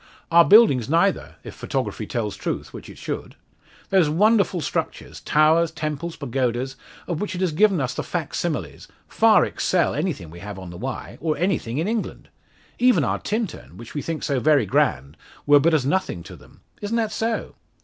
"Our buildings neither, if photography tells truth, which it should. Those wonderful structures towers, temples, pagodas of which it has given us the fac similes far excel anything we have on the Wye or anything in England. Even our Tintern, which we think so very grand, were but as nothing to them. Isn't that so?"